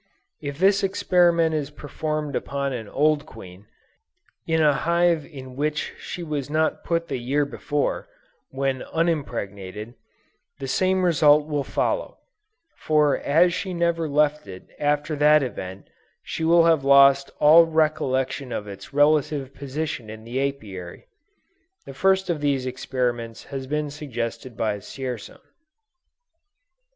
If this experiment is performed upon an old queen, in a hive in which she was put the year before, when unimpregnated, the same result will follow; for as she never left it after that event, she will have lost all recollection of its relative position in the Apiary. The first of these experiments has been suggested by Dzierzon.